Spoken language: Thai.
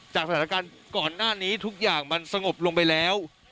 สถานการณ์ก่อนหน้านี้ทุกอย่างมันสงบลงไปแล้ว